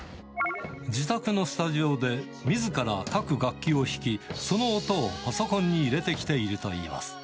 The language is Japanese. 自宅のスタジオでみずから各楽器を弾き、その音をパソコンに入れてきているといいます。